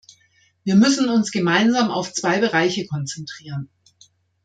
Wir müssen uns gemeinsam auf zwei Bereiche konzentrieren.